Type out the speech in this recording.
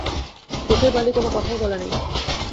চোখের বালি কোনো কথাই বলে নাই।